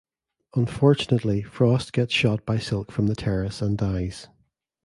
Unfortunately Frost gets shot by Silk from the terrace and dies.